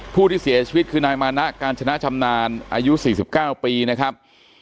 ผู้ที่เสียชีวิตคือนายมานะการชนะชำนาญอายุ๔๙ปีนะครับ